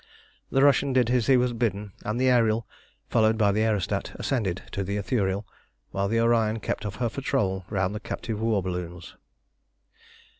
The Russian did as he was bidden, and the Ariel, followed by the aerostat, ascended to the Ithuriel, while the Orion kept up her patrol round the captive war balloons.